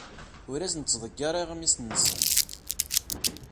Ur asen-d-ttḍeggireɣ iɣmisen-nsen.